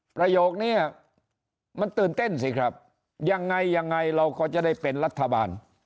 ประโยคนี้มันตื่นเต้นสิครับยังไงยังไงเราก็จะได้เป็นรัฐบาล